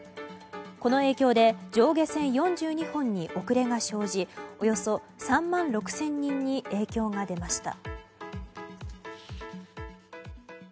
この影響で上下線４２本に遅れが生じおよそ３万６０００人に影響が出ました。